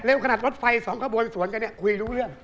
เร็วกระดาษรถไฟสองข้าวบนสวนกันเนี่ยคุยรู้เรื่อง